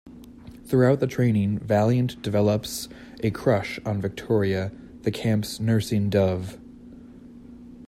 Throughout the training, Valiant develops a crush on Victoria, the camp's nursing dove.